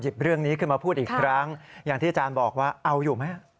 เรื่องนี้ขึ้นมาพูดอีกครั้งอย่างที่อาจารย์บอกว่าเอาอยู่ไหม